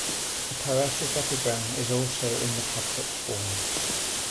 The Poetic epigram is also in the couplet form.